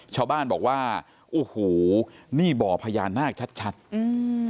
ชาวบ้านบอกว่าโอ้โหนี่บ่อพญานาคชัดชัดอืม